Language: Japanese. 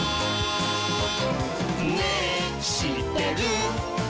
「ねぇしってる？」